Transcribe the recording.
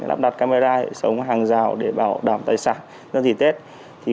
lắp đặt camera để sống hàng rào để bảo đảm tài sản dân dịp tết